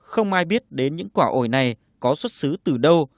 không ai biết đến những quả ổi này có xuất xứ từ đâu